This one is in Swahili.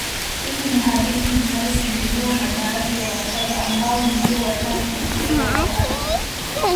Hizi ni hadithi zinazosimuliwa na baadhi ya Wachaga ambao ndio watani pekee wa Wapare